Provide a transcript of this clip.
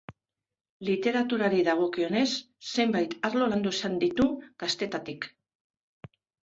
Literaturari dagokionez, zenbait arlo landu izan ditu gaztetatik.